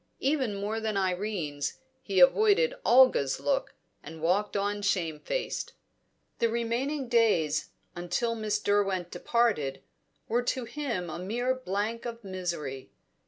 Even more than Irene's, he avoided Olga's look, and walked on shamefaced. The remaining days, until Miss Derwent departed, were to him a mere blank of misery.